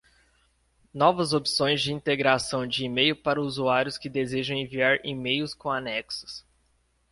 Novas opções de integração de email para usuários que desejam enviar emails com anexos.